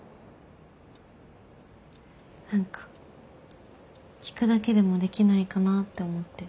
何か聞くだけでもできないかなって思って。